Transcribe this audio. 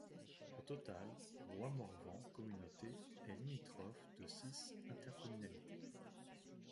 Au total, Roi Morvan Communauté est limitrophe de six intercommunalités.